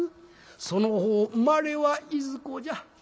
「その方生まれはいずこじゃ？」。